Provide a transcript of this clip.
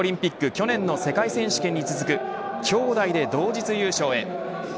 去年の世界選手権に続くきょうだいで同日優勝へ。